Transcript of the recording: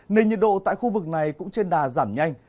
nền nhiệt độ tại khu vực này cũng trên đà giảm nhanh